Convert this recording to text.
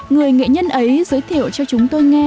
người nghệ nhân ấy giới thiệu cho chúng tôi nghe